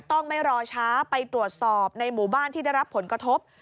ต้องไม่รอช้าไปตรวจสอบในหมู่บ้านที่ได้รับผลกระทบ